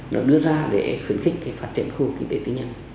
nó đưa ra để khuyến khích phát triển khu vực kinh tế tư nhân